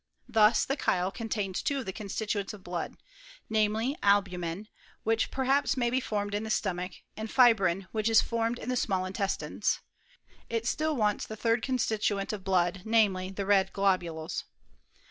Thus the chyle contains two of the constituents of blood; namely, albumen, which perhaps may be formed in the stomach, and fibrin, which is formed in the small intestines. It still wants the third constituent of blood, namely, the red globules.